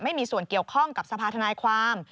ไม่มีส่วนเกี่ยวข้องกับสภาธนายความ